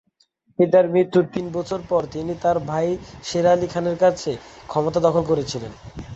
পিতার মৃত্যুর তিন বছর পর তিনি তার ভাই শের আলি খানের কাছ থেকে ক্ষমতা দখল করেছিলেন।